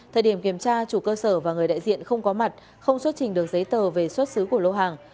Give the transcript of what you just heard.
thời điểm kiểm tra chủ cơ sở và người đại diện không có mặt không xuất trình được giấy tờ về xuất xứ của lô hàng